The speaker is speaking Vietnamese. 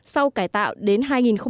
sau cải tạo đến hai nghìn hai mươi năm